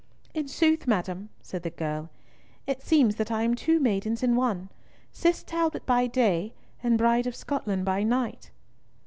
"In sooth, madam," said the girl, "it seems that I am two maidens in one—Cis Talbot by day, and Bride of Scotland by night."